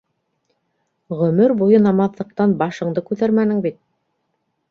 - Ғөмөр буйы намаҙҙыҡтан башыңды күтәрмәнең бит.